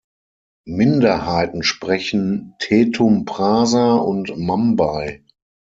Minderheiten sprechen Tetum Prasa und Mambai.